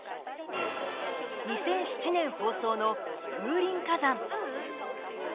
２００７年放送の「風林火山」。